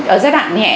ở giai đoạn nhẹ